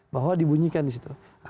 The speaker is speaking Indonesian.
bahwa dibunyikan di situ